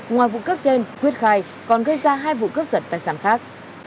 ngoài vụ cướp trên quyết khai còn gây ra hai vụ cướp giật tài sản khác